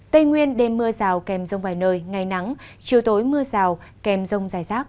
tây nguyên đêm mưa rào và rông vài nơi ngày nắng chiều tối mưa rào và rông dài sát